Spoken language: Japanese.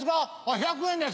「１００円です」